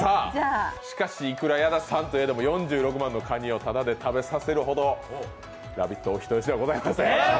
しかし、いくら矢田さんといえども４６万のかにをタダで食べさせるほど、「ラヴィット！」はお人好しではありません。